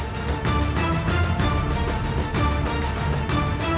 kami akan menjaga keamananmu